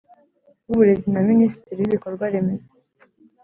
w Uburezi na Minisitiri w Ibikorwa Remezo